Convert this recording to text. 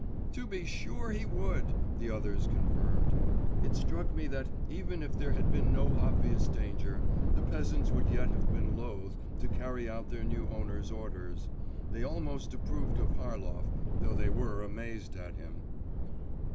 'To be sure he would,' the others confirmed. It struck me that, even if there had been no obvious danger, the peasants would yet have been loath to carry out their new owner's orders. They almost approved of Harlov, though they were amazed at him.